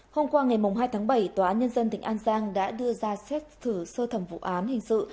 hôm qua ngày hai tháng bảy tòa án nhân dân tỉnh an giang đã đưa ra xét xử sơ thẩm vụ án hình sự